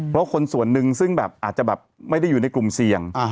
เพราะคนส่วนหนึ่งซึ่งแบบอาจจะแบบไม่ได้อยู่ในกลุ่มเสี่ยง